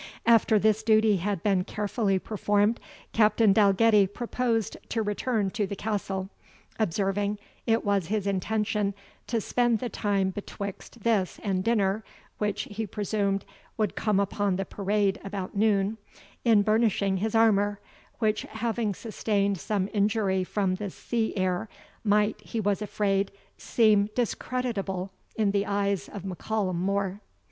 After this duty had been carefully performed, Captain Dalgetty proposed to return to the castle, observing, it was his intention to spend the time betwixt this and dinner, which, he presumed, would come upon the parade about noon, in burnishing his armour, which having sustained some injury from the sea air, might, he was afraid, seem discreditable in the eyes of M'Callum More.